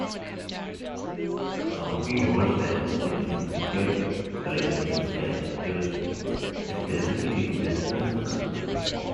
Donkeys hold a significant place in literature, especially in Western cultures.